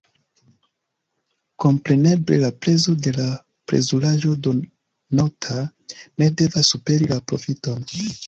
Kompreneble, la prezo de la plezuraĵo donota ne devas superi la profiton.